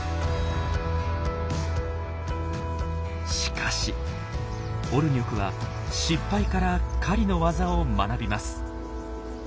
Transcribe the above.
しかしオルニョクは失敗から狩りの技を学びます。